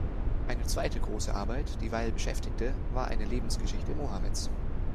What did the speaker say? Eine zweite große Arbeit, die Weil beschäftigte, war eine Lebensgeschichte Mohammeds.